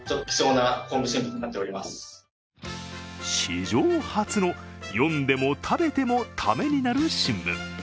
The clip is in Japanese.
史上初の読んでも食べてもタメになる新聞。